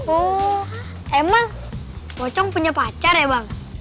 oh emang pocong punya pacar ya bang